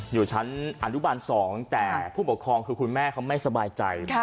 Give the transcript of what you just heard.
อยู่ชั้นอนุบาล๒แต่ผู้ปกครองคือคุณแม่เขาไม่สบายใจ